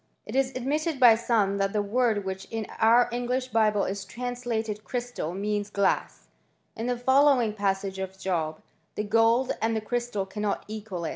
It is admitted by some that the word which in our English Bible is translated crystal, means glass, in the following passage of Job :*' The gold and the crystal cannot equal it."